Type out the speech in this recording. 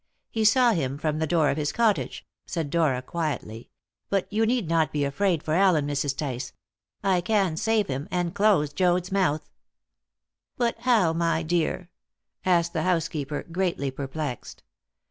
"He saw him from the door of his cottage," said Dora quietly; "but you need not be afraid for Allen, Mrs. Tice. I can save him, and close Joad's mouth." "But how, my dear?" asked the housekeeper, greatly perplexed.